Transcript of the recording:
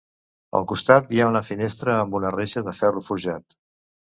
Al costat hi ha una finestra amb una reixa de ferro forjat.